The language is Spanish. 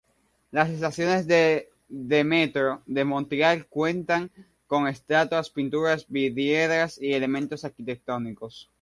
Las estaciones de metro de Montreal cuentan con estatuas, pinturas, vidrieras y elementos arquitectónicos.